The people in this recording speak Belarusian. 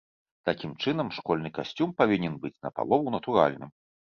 Такім чынам, школьны касцюм павінен быць напалову натуральным.